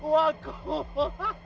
hei tunggu tunggu tunggu